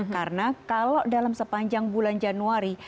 karena kalau dalam sepanjang bulan januari